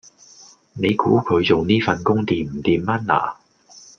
你估佢做呢份工掂唔掂吖嗱